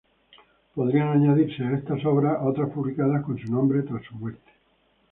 Podrían añadirse a estas obras otras publicadas con su nombre tras su muerte.